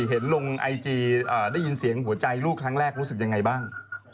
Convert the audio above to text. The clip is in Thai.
เห็นลงไอจีได้ยินเสียงหัวใจลูกครั้งแรกรู้สึกยังไงบ้าง